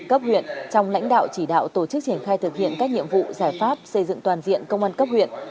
cấp huyện trong lãnh đạo chỉ đạo tổ chức triển khai thực hiện các nhiệm vụ giải pháp xây dựng toàn diện công an cấp huyện